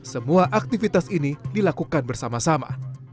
semua aktivitas ini dilakukan bersama sama